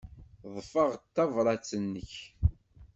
Ḍḍfeɣ-d tabṛat-nnek.